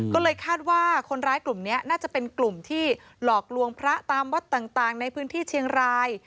ก็เลยคาดว่าคนร้ายกลุ่มนี้น่าจะเป็นกลุ่มที่หลอกลวงพระตามวัดต่างในพื้นที่เชียงราย